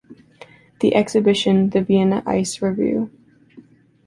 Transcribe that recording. The exhibition The Vienna Ice Revue.